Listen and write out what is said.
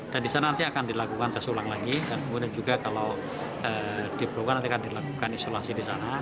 dan di sana nanti akan dilakukan tes ulang lagi dan kemudian juga kalau diperlukan nanti akan dilakukan isolasi di sana